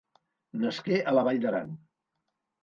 Nasqué a la Vall d'Aran.